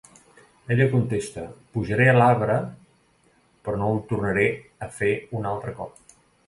Ella contesta: "Pujaré a l"arbre, però no ho tornaré a fer un altre cop".